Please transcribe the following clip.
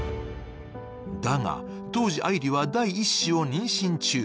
だが、当時愛梨は第１子を妊娠中。